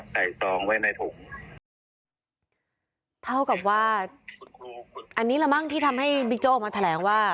ซองไว้ในถุงเท่ากับว่าอันนี้ละมั้งที่ทำให้บิ๊กโจ๊กออกมาแถลงว่า